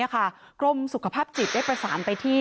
กรมสุขภาพจิตได้ประสานไปที่